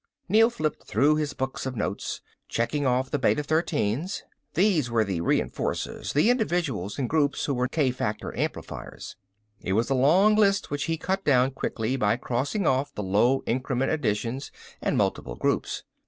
Neel flipped through his books of notes, checking off the Beta 13's. These were the reinforcers, the individuals and groups who were k factor amplifiers. It was a long list which he cut down quickly by crossing off the low increment additions and multiple groups.